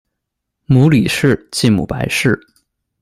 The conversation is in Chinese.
母李氏；继母白氏。